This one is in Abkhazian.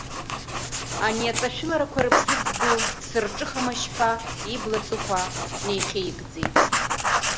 Ани аҵашәыларақәа рыԥсыӡ ду, дсырҿыхамашь ҳәа, ибла ҵыхәа неихьигӡеит.